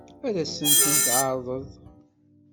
Ad sen-tent-tɛeṛḍeḍ?